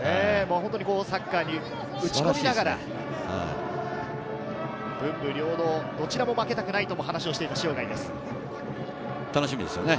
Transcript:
サッカーに打ち込みながら、文武両道どちらも負けたくないと話をしている塩貝です。